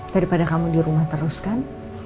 daripada kamu di rumah teruskan